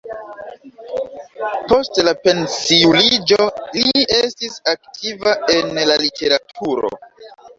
Post la pensiuliĝo li estis aktiva en la literaturo.